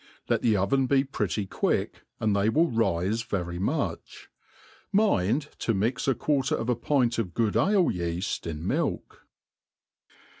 Let die oven be pretty quick, and they will rife very much. Miftd to mix a quarter of a pint of good ale yeaft in milk.